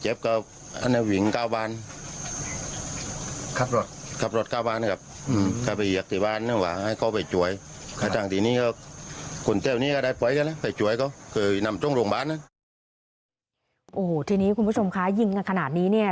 โอ้โหทีนี้คุณผู้ชมคะยิงกันขนาดนี้เนี่ย